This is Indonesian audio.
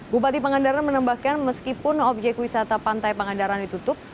bupati pangandaran menambahkan meskipun objek wisata pantai pangandaran ditutup